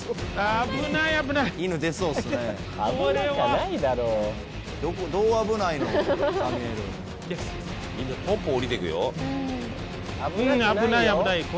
危ない危ない。